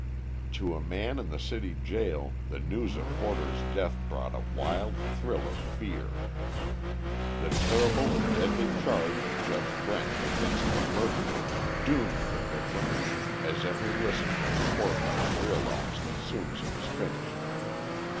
To a man in the city jail the news of Forder's death brought a wild thrill of fear. The terrible and deadly charge of Judge Brent against the murderer doomed the victim, as every listener in the courthouse realised as soon as it was finished.